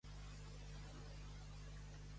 Tot i ser advertit de l'errada, Cantó no es corregeix.